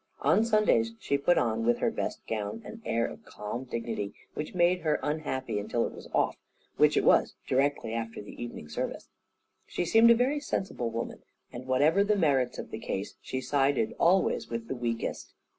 On Sundays she put on, with her best gown, an air of calm dignity which made her unhappy until it was off, which it was directly after the evening service. She seemed a very sensible woman, and whatever the merits of the case she sided always with the weakest.